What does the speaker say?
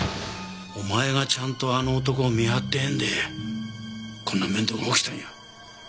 お前がちゃんとあの男を見張ってへんでこんな面倒が起きたんや。